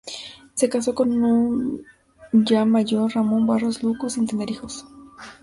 Se casó, con un ya mayor Ramón Barros Luco, sin tener hijos.